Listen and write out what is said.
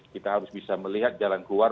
kita harus bisa melihat jalan keluar